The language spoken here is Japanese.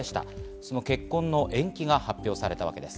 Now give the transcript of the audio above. その結婚は延期が発表されたわけです。